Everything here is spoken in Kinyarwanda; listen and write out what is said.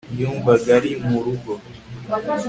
yumvaga ari mu rugo